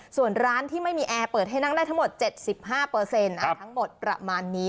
ส่วนร้านที่ไม่มีแอร์เปิดให้นั่งได้ทั้งหมด๗๕ทั้งหมดประมาณนี้